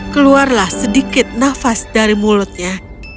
keluarlah sedikit nafas dari mulutnya